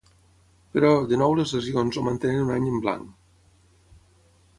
Però, de nou les lesions el mantenen un any en blanc.